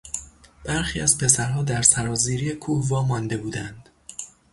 برخی از پسرها در سرازیری کوه وامانده بودند.